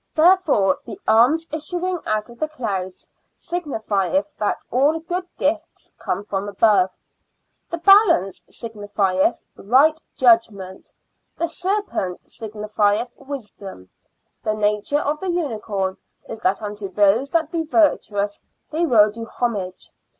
therefore the arms issuing out of the clouds signifieth that all good gifts come from above ; the balance signifieth right judgment ; the serpent signifieth wisdom ; the nature of the unicorn is that unto those that be virtuous they will do homage.